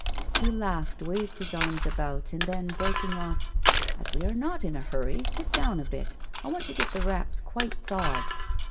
He laughed, waved his arms about, and then, breaking off: 'As we are not in a hurry, sit down a bit. I want to get the wraps quite thawed.